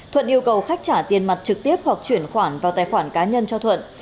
thuận yêu cầu khách trả tiền mặt trực tiếp hoặc chuyển khoản vào tài khoản cá nhân cho thuận